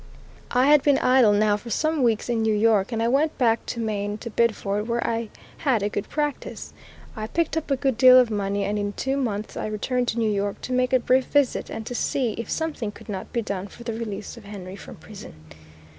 I had been idle now for some weeks in New York, and I went back to Maine, to Biddeford, where I lad a good practice. I picked up a good deal of money, and in two months I returned to New York to make a brief visit, and to see if something could not be done for the release of Henry from prison.